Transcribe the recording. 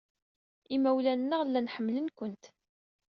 Imawlan-nneɣ llan ḥemmlen-kent.